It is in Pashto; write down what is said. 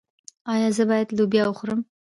ایا زه باید لوبیا وخورم؟